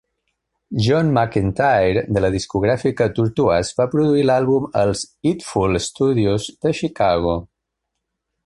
John McEntire, de la discogràfica Tortoise, va produir l'àlbum als Idful Studios de Chicago.